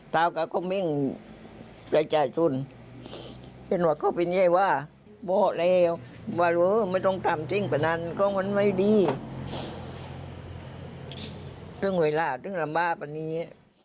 เตื้องเวลาเตื้องลำบ้านแบบนี้